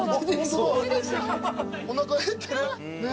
おなか減ってる？